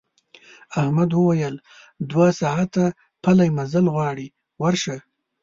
احمد وویل دوه ساعته پلی مزل غواړي ورشه.